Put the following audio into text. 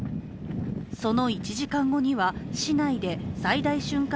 その１時間後には、市内で最大瞬間